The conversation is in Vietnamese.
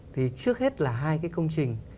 thì trước hết là hai cái công trình